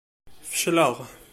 Fecleɣ.